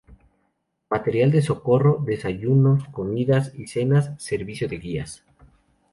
Material de socorro, desayunos, comidas y cenas, servicio de guías.